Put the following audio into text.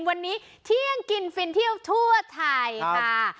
วันนี้เที่ยงกินฟินเที่ยวทั่วไทยค่ะ